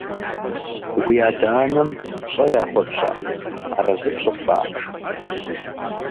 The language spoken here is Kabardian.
Уи адэ-анэм пщӀэ яхуэпщӀа, арэзы пщӀыфа?